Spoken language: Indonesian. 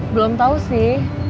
belum tau sih